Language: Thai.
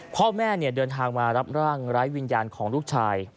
พ่อแม่เดินทางมารับร่างไร้วิญญาณของลูกชาย